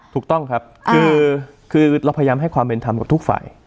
ถูกต้องครับคือเราพยายามให้ความเป็นธรรมกับทุกฝ่าย